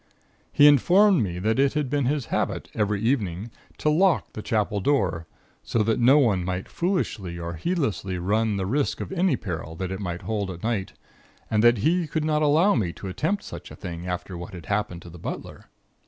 He informed me that it had been his habit every evening to lock the Chapel door, so that no one might foolishly or heedlessly run the risk of any peril that it might hold at night, and that he could not allow me to attempt such a thing after what had happened to the butler.